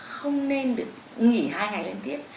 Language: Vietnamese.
không nên được nghỉ hai ngày liên tiếp